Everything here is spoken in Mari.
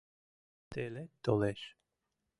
Телет толеш -